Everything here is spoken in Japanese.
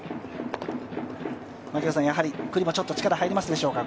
九里もここはちょっと力が入りますでしょうか。